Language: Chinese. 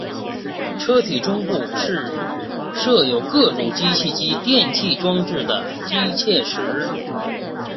车体中部是设有各种机械及电气装置的机械室。